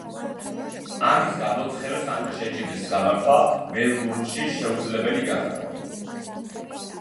ამის გამო ცხენოსანთა შეჯიბრის გამართვა მელბურნში შეუძლებელი გახდა.